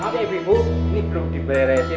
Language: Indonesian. ini belum diberesin